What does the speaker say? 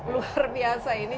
luar biasa ini